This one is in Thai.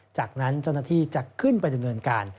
จากนั้นเจ้าหน้าที่จะขึ้นไปดำเนินการ